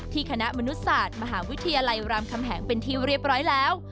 คณะมนุษศาสตร์มหาวิทยาลัยรามคำแหงเป็นที่เรียบร้อยแล้ว